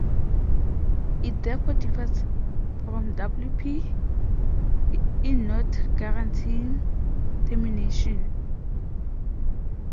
It therefore differs from "wp" in not guaranteeing termination.